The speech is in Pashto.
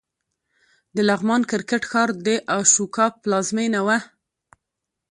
د لغمان کرکټ ښار د اشوکا پلازمېنه وه